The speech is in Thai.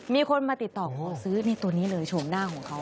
มีคนมาติดต่อขอซื้อในตัวนี้เลยโฉมหน้าของเขา